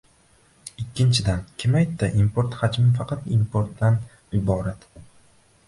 Ikkinchidan, kim aytadi, import hajmi faqat importdan iborat